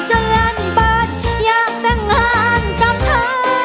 จนรันบัตรอยากตั้งงานกับเธอ